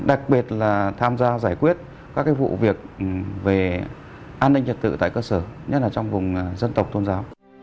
đặc biệt là tham gia giải quyết các vụ việc về an ninh trật tự tại cơ sở nhất là trong vùng dân tộc tôn giáo